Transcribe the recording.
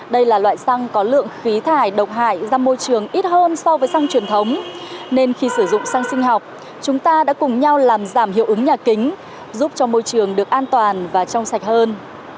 đây là loại xăng có lượng khí thải độc hại ra môi trường ít hơn so với xăng truyền thống nên khi sử dụng xăng sinh học chúng ta đã cùng nhau làm giảm hiệu ứng nhà kính giúp cho môi trường được an toàn và trong sạch hơn